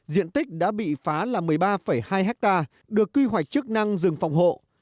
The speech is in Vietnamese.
diện tích đã bị phá là một mươi ba hai hectare được quy hoạch chức năng rừng phòng hộ